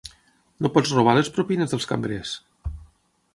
No pots robar les propines dels cambrers!